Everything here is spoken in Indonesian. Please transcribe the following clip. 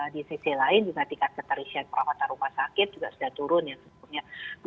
di sisi lain juga tingkat keterisian perawatan rumah sakit juga sudah turun ya sebetulnya